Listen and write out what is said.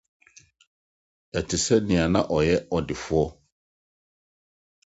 Ɛte sɛ nea na ɔyɛ ɔdefo.